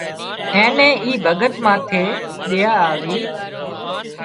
اين نين اي ڀڳت ماٿي ۮيا آوي